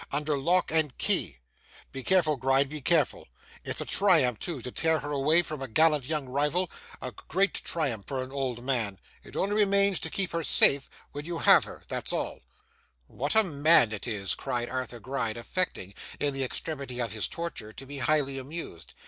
under lock and key. Be careful, Gride, be careful. It's a triumph, too, to tear her away from a gallant young rival: a great triumph for an old man! It only remains to keep her safe when you have her that's all.' 'What a man it is!' cried Arthur Gride, affecting, in the extremity of his torture, to be highly amused.